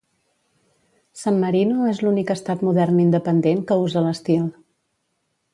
San Marino és l'únic estat modern independent que usa l'estil.